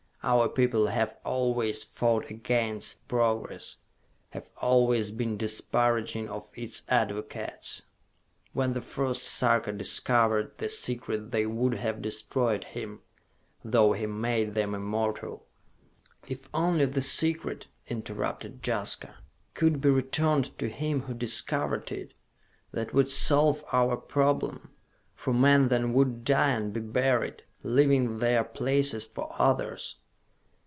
Our people have always fought against progress, have always been disparaging of its advocates! When the first Sarka discovered the Secret they would have destroyed him, though he made them immortal...." "If only the Secret," interrupted Jaska, "could be returned to him who discovered it! That would solve our problem, for men then would die and be buried, leaving their places for others."